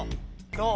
どう？